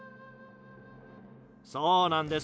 そうなんです。